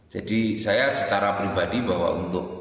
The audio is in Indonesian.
jadi saya secara pribadi bahwa untuk